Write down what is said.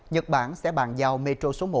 nhật bản sẽ bàn giao metro số một